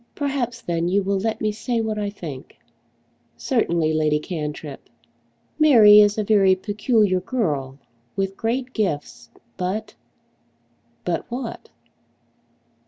"Perhaps then you will let me say what I think." "Certainly, Lady Cantrip." "Mary is a very peculiar girl, with great gifts, but " "But what?"